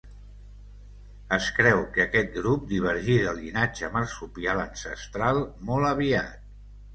Es creu que aquest grup divergí del llinatge marsupial ancestral molt aviat.